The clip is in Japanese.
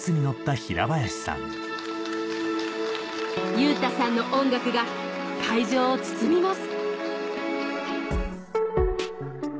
優太さんの音楽が会場を包みます